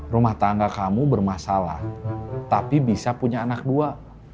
rumah tangga kamu bermasalah tapi bisa punya anak dua